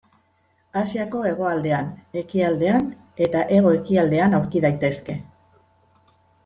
Asiako hegoaldean, ekialdean eta hego-ekialdean aurki daitezke.